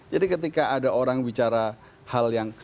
jadi ketika ada orang bicara hal yang